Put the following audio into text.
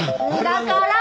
だから！